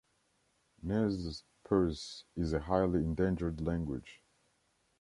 Nez Perce is a highly endangered language.